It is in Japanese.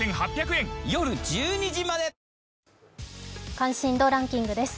関心度ランキングです。